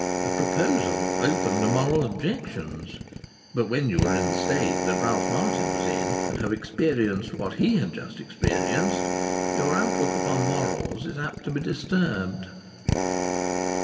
A proposal open to moral objections! But when you are in the state that Ralph Martin was in, and have experienced what he had just experienced, your out look upon morals is apt to be disturbed.